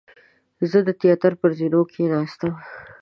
زه د تیاتر پر زینو کېناستم.